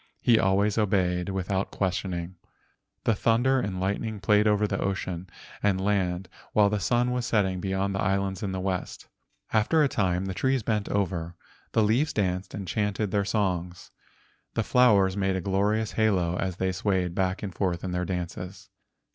He always obeyed with¬ out questioning. The thunder and lightning played over ocean and land while the sun was setting beyond the islands in the west. After a time the trees bent over, the leaves danced and chanted their songs. The flowers made a glorious halo as they swayed back and forth in their dances.